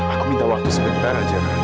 aku minta waktu sebentar aja